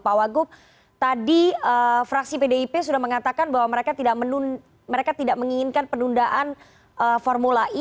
pak wagub tadi fraksi pdip sudah mengatakan bahwa mereka tidak menginginkan penundaan formula e